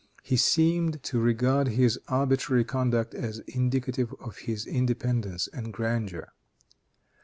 He seemed to regard this arbitrary conduct as indicative of his independence and grandeur.